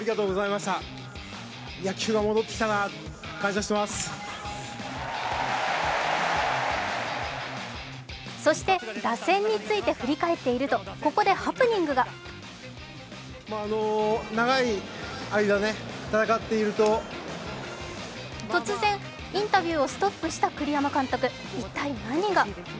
そしてそして、打線について振り返っていると、ここでハプニングが突然インタビューをストップした栗山監督、一体何が？